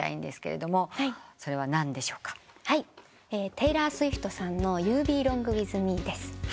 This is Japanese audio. テイラー・スウィフトさんの『ユー・ビロング・ウィズ・ミー』です。